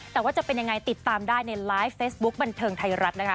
แต่ว่าจะเป็นยังไงติดตามได้ในไลฟ์เฟซบุ๊คบันเทิงไทยรัฐนะคะ